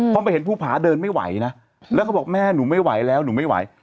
พอมาเห็นภูผาเดินไม่ไหวนะแล้วเขาบอกแม่หนูไม่ไหวแล้วหนูไม่ไหว